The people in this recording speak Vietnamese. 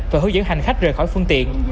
và hướng dẫn hành khách rời khỏi phương tiện